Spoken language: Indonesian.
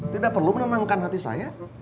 tidak perlu menenangkan hati saya